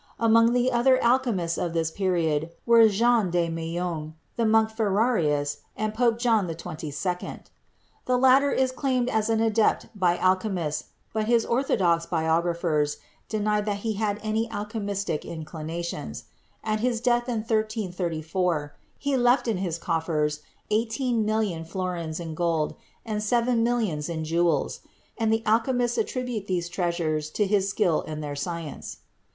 Among the other alchemists of this period were Jean de Meung, the monk Ferarius and Pope John XXII. The Fig. 8 — Coins and Medals of Alchemical 'Gold.' 42 CHEMISTRY latter is claimed as an adept by the alchemists, but his orthodox biographers deny that he had any alchemistic inclinations. At his death in 1334, he left in his coffers eighteen million florins in gold and seven millions in jewels, and alchemists attribute these treasures to his skill in their science.